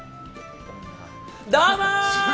どうも！